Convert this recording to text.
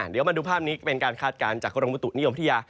เดี๋ยวมาดูภาพนี้ก็เป็นการคาดการณ์จากกรมบุตุนิยมวิทยา